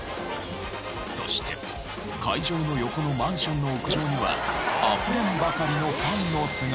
そして会場の横のマンションの屋上にはあふれんばかりのファンの姿が！